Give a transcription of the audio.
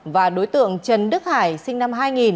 và đối tượng trần đức hải sinh năm hai nghìn